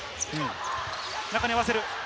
中に合わせる。